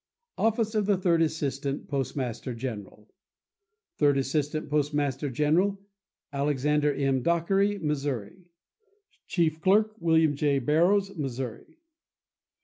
OFFICE OF THE THIRD ASSISTANT POSTMASTER GENERAL Third Assistant Postmaster General.—Alexander M. Dockery, Missouri. Chief Clerk.—William J. Barrows, Missouri.